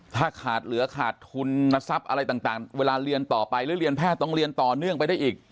ถ้าขาดเหลือขาดทุนทรัพย์อะไรต่างเวลาเรียนต่อไปหรือเรียนแพทย์ต้องเรียนต่อเนื่องไปได้อีก